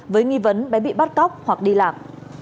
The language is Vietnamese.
với nghi vấn bé bị bắt cóc hoặc đi làm